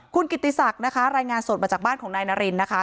คุณกิติศักดิ์นะคะรายงานสดมาจากบ้านของนายนารินนะคะ